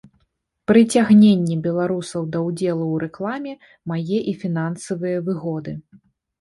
Прыцягненне беларусаў да ўдзелу ў рэкламе мае і фінансавыя выгоды.